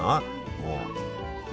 もう。